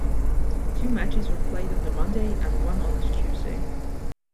Two matches were played on the Monday and one on the Tuesday.